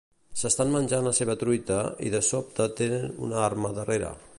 S'estan menjant la seva truita i de sobte tenen una arma darrere.